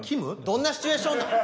どんなシチュエーションなん？